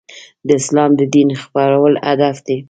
د اسلام د دین خپرول هدف دی.